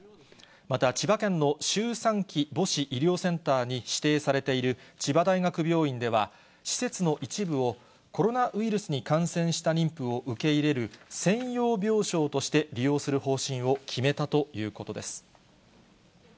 また、千葉県の周産期母子医療センターに指定されている千葉大学病院では、施設の一部をコロナウイルスに感染した妊婦を受け入れる専用病床として利用する方針を決めたということです。